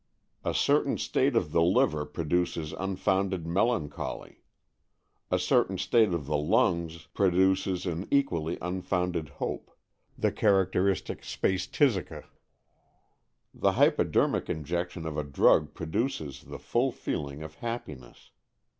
A certain state of the liver produces unfounded melancholy. A certain state of the lungs produces an equally unfounded hope — the characteristic spes phihisica. The hypo dermic injection of a drug produces the full feeling of happiness.